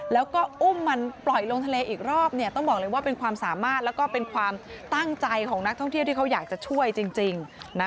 แล้วก็อุ้มมันปล่อยลงทะเลอีกรอบต้องบอกเลยว่าเป็นความสามารถแล้วก็เป็นความตั้งใจของนักท่องเที่ยวที่เขาอยากจะช่วยจริง